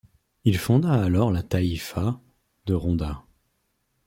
Il fonda alors la taïfa de Ronda.